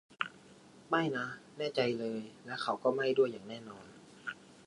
ไม่นะ แน่ใจเลย และเขาก็ไม่ด้วย อย่างแน่นอน